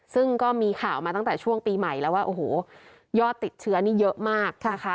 ซึ่งก็มีข่าวมาตั้งแต่ช่วงปีใหม่แล้วว่าโอ้โหยอดติดเชื้อนี่เยอะมากนะคะ